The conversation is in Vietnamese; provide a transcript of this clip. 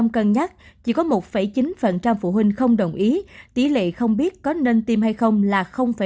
hai mươi chín một cân nhắc chỉ có một chín phụ huynh không đồng ý tỷ lệ không biết có nên tiêm hay không là bảy